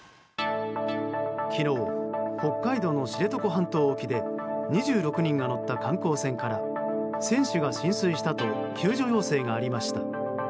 昨日、北海道の知床半島沖で２６人が乗った観光船から船首が浸水したと救助要請がありました。